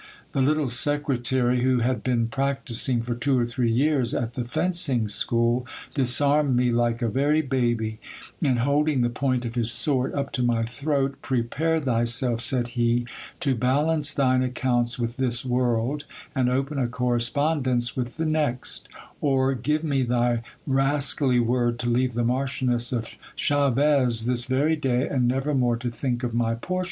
The little secretary, who hr.d been practising for two or three years at the fencing school, disarmed me like a very baby, and holding the point of his sword up to my throat, Prepare thyself, said he, to balance thine accounts with this world, and open a correspond ence with the next, or give me thy rascally word to leave the Marchioness of Chaves this very day, and never more to think of my Portia.